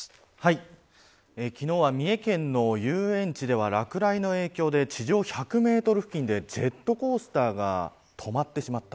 昨日は、三重県の遊園地では落雷の影響で地上１００メートル付近でジェットコースターが止まってしまった